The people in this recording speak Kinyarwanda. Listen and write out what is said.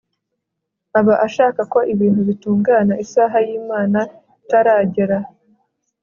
aba ashaka ko ibintu bitungana isaha y'imana itaragera